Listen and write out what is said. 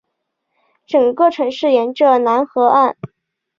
整个城市沿着楠河岸。